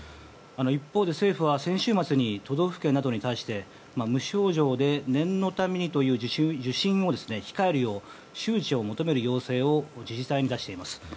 一方で、政府は先週末に都道府県などに対して無症状で念のためにという受診を控えるよう周知を求めるよう自治体に出しています。